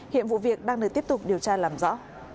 hiện vụ việc đang được tiếp tục điều tra làm rõ